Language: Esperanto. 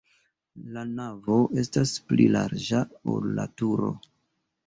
La navo estas pli larĝa, ol la turo.